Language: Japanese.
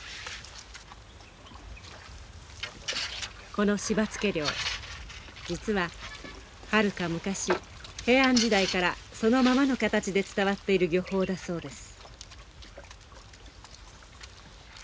この柴つけ漁実ははるか昔平安時代からそのままの形で伝わっている漁法だそうです。